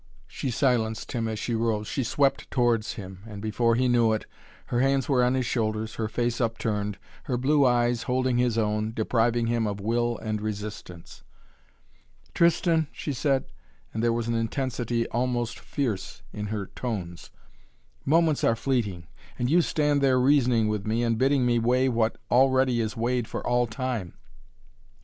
she silenced him, as she rose. She swept towards him and, before he knew it, her hands were on his shoulders, her face upturned, her blue eyes holding his own, depriving him of will and resistance. "Tristan," she said, and there was an intensity almost fierce in her tones, "moments are fleeting, and you stand there reasoning with me and bidding me weigh what already is weighed for all time.